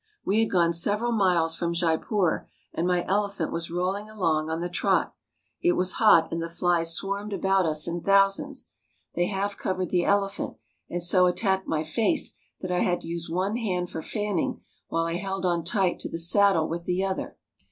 We had gone several miles from Jaipur, and my elephant was rolling along on the trot. It was hot, and the flies swarmed about us in thousands. They half covered the elephant and so attacked my face that I had to use one hand for fanning, while I held on tight to the saddle with the other.